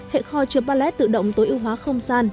hệ kho chứa pallet tự động tối ưu hóa không gian